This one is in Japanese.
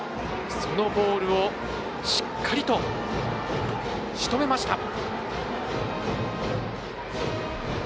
そのボールをしっかりとしとめました。